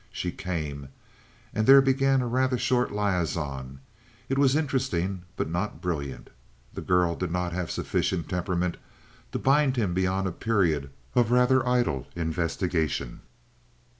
She came, and there began a rather short liaison. It was interesting but not brilliant. The girl did not have sufficient temperament to bind him beyond a period of rather idle investigation.